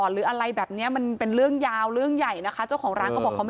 หรืออะไรแบบนี้มันเป็นเรื่องยาวเรื่องใหญ่นะคะ